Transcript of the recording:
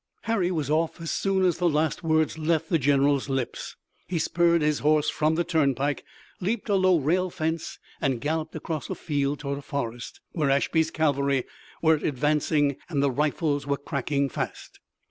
Harry was off as soon as the last words left the general's lips. He spurred his horse from the turnpike, leaped a low rail fence, and galloped across a field toward a forest, where Ashby's cavalry were advancing and the rifles were cracking fast.